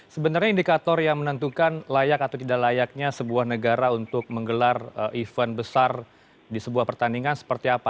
sebenarnya indikator yang menentukan layak atau tidak layaknya sebuah negara untuk menggelar event besar di sebuah pertandingan seperti apa